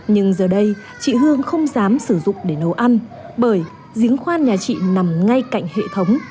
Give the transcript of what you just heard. nhưng giờ đây chị hương không dám sử dụng để nấu ăn bởi giếng khoan nhà chị nằm ngay cạnh hệ thống